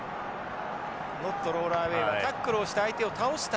ノットロールアウェイはタックルをした相手を倒した